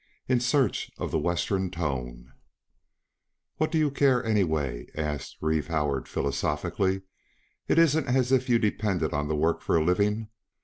IN SEARCH OF THE WESTERN TONE "What do you care, anyway?" asked Reeve Howard philosophically. "It isn't as if you depended on the work for a living.